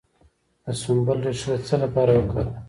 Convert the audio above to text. د سنبل ریښه د څه لپاره وکاروم؟